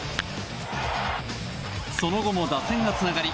その後も打線がつながり